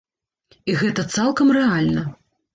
І гэта цалкам рэальна.